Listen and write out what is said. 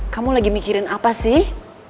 kamu lagi mikirin apa sih